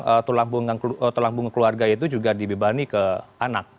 memang tulang punggung keluarga itu juga dibebani ke anak